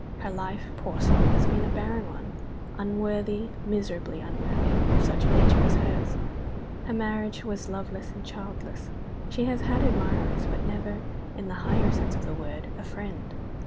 Her life, poor soul, has been a barren one; unworthy, miserably unworthy, of such a nature as hers. Her marriage was loveless and childless. She has had admirers, but never, in the higher sense of the word, a friend.